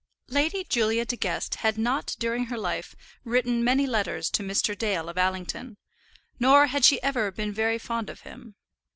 Lady Julia De Guest had not during her life written many letters to Mr. Dale of Allington, nor had she ever been very fond of him.